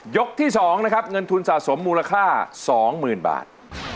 ที่๒นะครับเงินทุนสะสมมูลค่า๒๐๐๐บาท